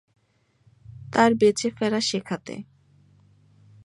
আর বেঁচে ফেরা শেখাতে।